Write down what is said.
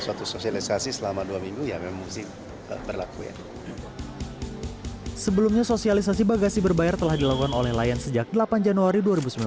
sebelumnya sosialisasi bagasi berbayar telah dilakukan oleh lion sejak delapan januari dua ribu sembilan belas